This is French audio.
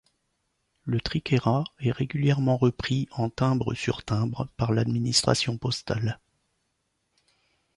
Le Triquéra est régulièrement repris en timbre sur timbre par l'administration postale.